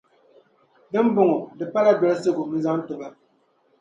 Di ni bɔŋɔ, di pala dolsigu n-zaŋ tiba.